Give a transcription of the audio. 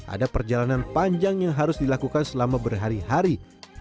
ada perjalanan panjang yang harus dilakukan selama berhari hari